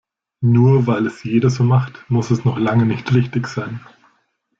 Nur weil es jeder so macht, muss es noch lange nicht richtig sein.